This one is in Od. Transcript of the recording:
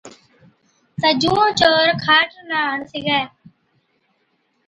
تہ جُون چور کاٽ نہ هڻ سِگھَي،